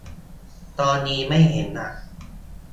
ตอนนี้ไม่เห็นละ